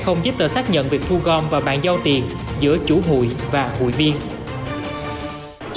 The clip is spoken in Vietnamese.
không giúp tờ xác nhận việc thu gom và bán giao tiền giữa chủ hùi và hùi viên